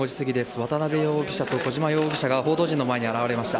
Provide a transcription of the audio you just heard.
渡辺容疑者と小島容疑者が報道陣の前に現れました。